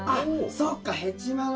そっか。